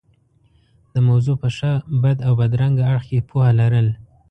د موضوع په ښه، بد او بدرنګه اړخ کې پوهه لرل.